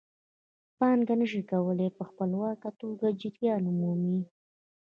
پانګه نشي کولای په خپلواکه توګه جریان ومومي